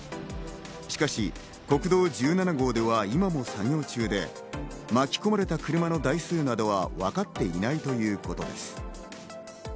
しかし国道１７号では今も作業中で巻き込まれた車の台数などは分かっていないということです。